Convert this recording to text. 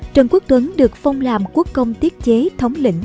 trần quốc tuấn được phong làm quốc công tiết chế thống lĩnh